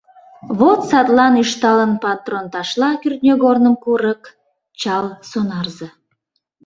Вот садлан ӱшталын патронташла кӱртньыгорным курык — чал сонарзе.